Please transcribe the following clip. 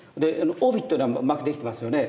帯っていうのはうまくできてますよね